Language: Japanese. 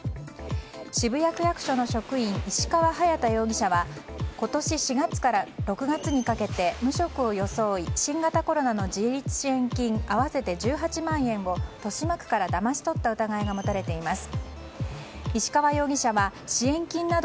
渋谷区役所の職員石川隼大容疑者は今年４月から６月にかけて無職を装い新型コロナの自立支援金合わせて１８万円を豊島区からだまし取った疑いが持たれています。